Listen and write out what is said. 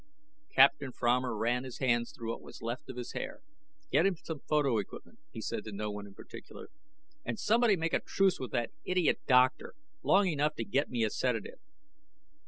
Captain Fromer ran his hands through what was left of his hair. "Get him some photo equipment," he said to no one in particular, "and somebody make a truce with that idiot doctor long enough to get me a sedative."